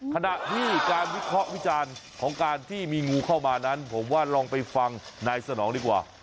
ขณะที่การวิเคราะห์วิจารณ์ของการที่มีงูเข้ามานั้นผมว่าลองไปฟังนายสนองดีกว่า